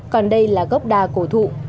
còn đây là gốc đa cổ thụ